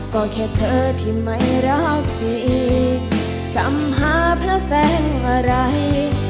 ก็แค่เธอที่ไม่รักดีจำหาพระแสงอะไร